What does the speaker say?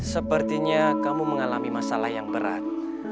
sepertinya kamu mengalami masalah yang berat